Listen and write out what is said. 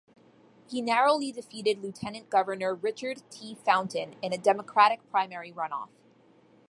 He narrowly defeated Lieutenant Governor Richard T. Fountain in a Democratic primary runoff.